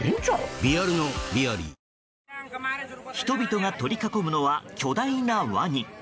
人々が取り囲むのは巨大なワニ。